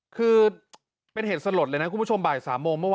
คือเป็นเหตุสลดเลยนะคุณผู้ชมบ่าย๓โมงเมื่อวาน